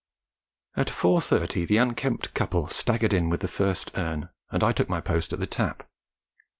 At 4.30 the unkempt couple staggered in with the first urn, and I took my post at the tap.